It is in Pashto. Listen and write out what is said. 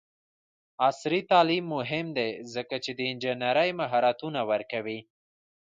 عصري تعلیم مهم دی ځکه چې د انجینرۍ مهارتونه ورکوي.